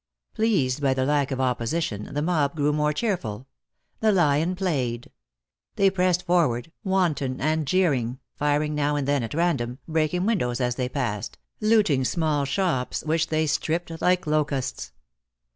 Pleased by the lack of opposition the mob grew more cheerful. The lion played. They pressed forward, wanton and jeering, firing now and then at random, breaking windows as they passed, looting small shops which they stripped like locusts.